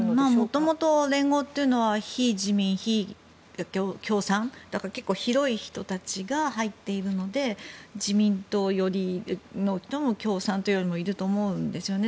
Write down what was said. もともと連合というのは非自民、非共産だから結構広い人たちが入っているので自民党寄り、共産党寄りの人もいると思うんですよね。